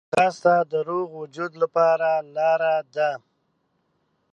ځغاسته د روغ وجود لپاره لاره ده